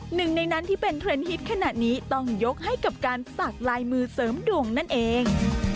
หนึ่งในนั้นที่เป็นเทรนด์ฮิตขนาดนี้ต้องยกให้กับการสักลายมือเสริมดวงนั่นเอง